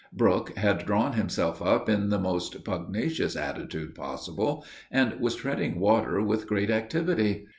Brook had drawn himself up in the most pugnacious attitude possible, and, was treading water with great activity.